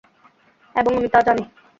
এবং আমি তা জানি।